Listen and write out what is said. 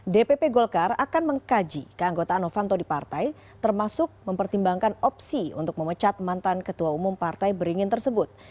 dpp golkar akan mengkaji keanggotaan novanto di partai termasuk mempertimbangkan opsi untuk memecat mantan ketua umum partai beringin tersebut